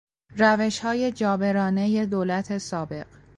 روشهای جابرانهی دولت سابق